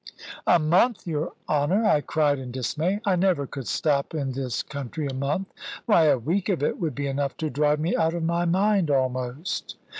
"A month, your honour!" I cried in dismay. "I never could stop in this country a month. Why, a week of it would be enough to drive me out of my mind almost."